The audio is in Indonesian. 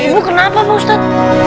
ibu kenapa pak ustad